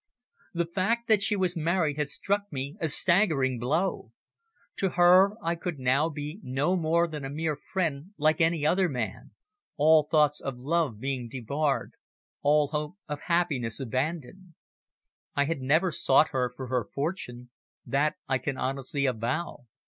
The fact that she was married had struck me a staggering blow. To her I could now be no more than a mere friend like any other man, all thoughts of love being bebarred, all hope of happiness abandoned. I had never sought her for her fortune, that I can honestly avow.